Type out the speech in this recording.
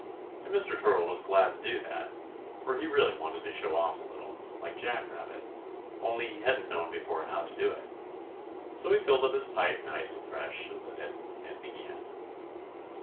And Mr. Turtle was glad to do that, for he really wanted to show off a little, like Jack Rabbit, only he hadn't known before how to do it. So he filled up his pipe nice and fresh, and lit it, and began.